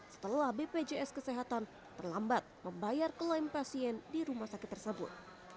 setelah bpjs kesehatan terlambat membayar klaim pasien di rumah sakit tersebut